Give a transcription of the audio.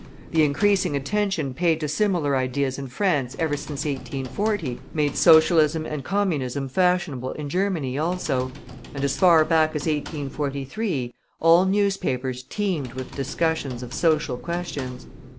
The increasing attention paid to similar ideas in France ever since 1840 made Socialism and Communism fashionable in Germany also, and as far back as 1843, all newspapers teemed with discussions of social questions.